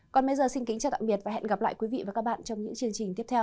còn bây giờ xin kính chào tạm biệt và hẹn gặp lại quý vị và các bạn trong những chương trình tiếp theo